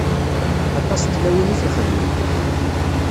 Aṭas n tlawin i t-ixedmen.